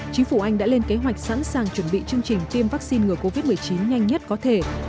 chính phủ anh đã lên kế hoạch sẵn sàng chuẩn bị chương trình tiêm vaccine ngừa covid một mươi chín nhanh nhất có thể